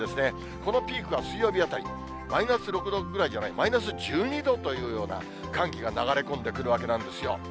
このピークが水曜日あたり、マイナス６度ぐらいじゃない、マイナス１２度というような寒気が流れ込んでくるわけなんですよ。